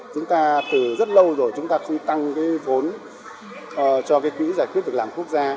chúng ta từ rất lâu rồi chúng ta không tăng cái vốn cho cái quỹ giải quyết việc làm quốc gia